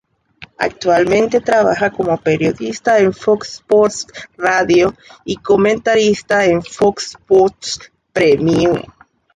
Actualmente trabaja como periodista en Fox Sports Radio y comentarista en Fox Sports Premium.